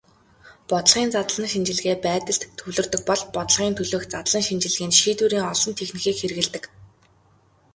Бодлогын задлан шинжилгээ байдалд төвлөрдөг бол бодлогын төлөөх задлан шинжилгээнд шийдвэрийн олон техникийг хэрэглэдэг.